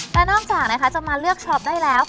และนอกจากนะคะจะมาเลือกช็อปได้แล้ว